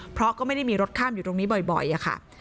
เพราะก็ไม่ได้มีรถข้ามอยู่ตรงนี้บ่อยอะค่ะ